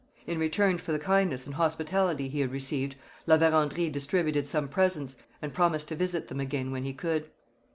In return for the kindness and hospitality he had received, La Vérendrye distributed some presents and promised to visit them again when he could.